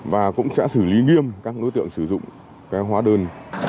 và cũng sẽ xử lý nghiêm các đối tượng sử dụng hóa đơn